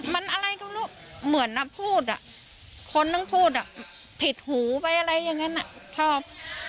มันอะไรก็รู้เหมือนพูดอ่ะคนต้องพูดอ่ะผิดหูไปอะไรอย่างนั้นชอบ